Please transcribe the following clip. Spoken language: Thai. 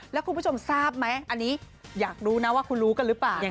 แล้วคุณผู้ชมทราบไหมอันนี้อยากรู้นะว่าคุณรู้กันหรือเปล่า